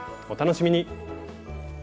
お楽しみに。